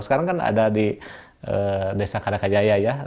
sekarang kan ada di desa kadakajaya ya